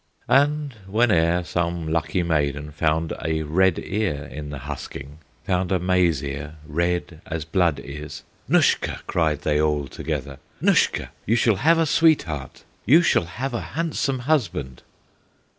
And whene'er some lucky maiden Found a red ear in the husking, Found a maize ear red as blood is, "Nushka!" cried they all together, "Nushka! you shall have a sweetheart, You shall have a handsome husband!"